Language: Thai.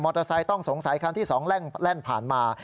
เตอร์ไซค์ต้องสงสัยคันที่๒แล่นผ่านมา